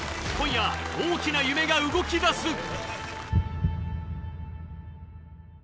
今夜大きな夢が動き出す。